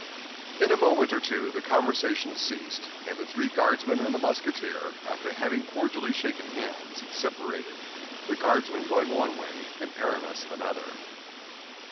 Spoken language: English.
In a moment or two the conversation ceased, and the three Guardsmen and the Musketeer, after having cordially shaken hands, separated, the Guardsmen going one way and Aramis another.